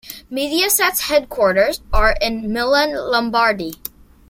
Mediaset's headquarters are in Milan, Lombardy.